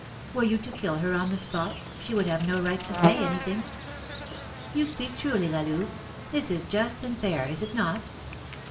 Were you to kill her on the spot, she would have no right to say anything. You speak truly, La Louve, this is just and fair, is it not?